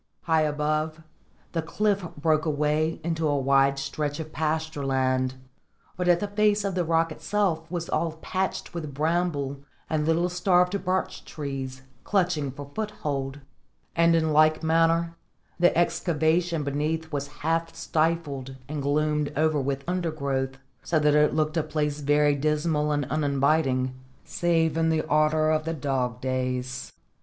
High above, the cliff broke away into a wide stretch of pasture land, but the face of the rock itself was all patched with bramble and little starved birch trees clutching for foothold; and in like manner the excavation beneath was half stifled and gloomed over with undergrowth, so that it looked a place very dismal and uninviting, save in the ardour of the dog days.